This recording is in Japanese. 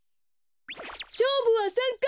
しょうぶは３かい。